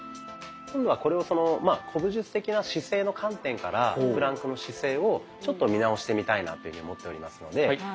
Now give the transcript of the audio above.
今度はこれを古武術的な姿勢の観点からプランクの姿勢をちょっと見直してみたいなと思っておりますので。